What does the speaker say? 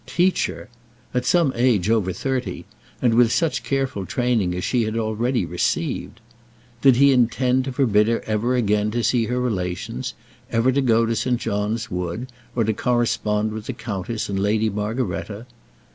Teach her! at some age over thirty; and with such careful training as she had already received! Did he intend to forbid her ever again to see her relations, ever to go to St. John's Wood, or to correspond with the countess and Lady Margaretta?